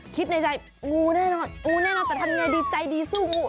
คิดในใจงูแน่นอนแต่ทำยังไงดีใจดีสู้งู